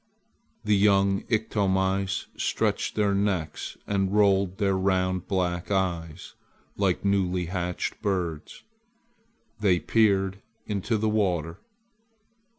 The young Iktomis stretched their necks and rolled their round black eyes like newly hatched birds. They peered into the water.